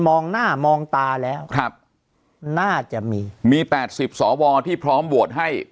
มองหน้ามองตาแล้วน่าจะมีมี๘๐สอวร์ที่พร้อมโหวตให้